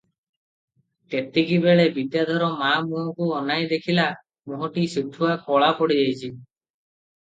ତେତିକିବେଳେ ବିଦ୍ୟାଧର ମା ମୁହଁକୁ ଅନାଇ ଦେଖିଲା, ମୁହଁଟି ସିଠୁଆ କଳା ପଡ଼ିଯାଇଛି ।